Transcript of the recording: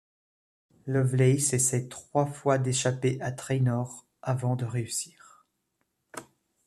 Lovelace essaye trois fois d'échapper à Traynor avant de réussir.